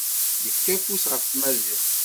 Yefka afus ɣef tmaziɣt.